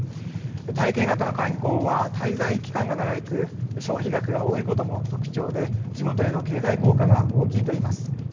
体験型の観光は滞在期間が長い、消費額が多いことも特徴で、地元への経済効果が大きいと言えます。